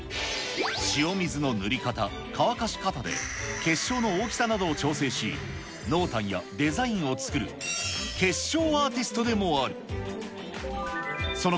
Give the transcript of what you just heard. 塩水の塗り方、乾かし方で、結晶の大きさなどを調整し、濃淡やデザインを作る結晶アーティストでもある。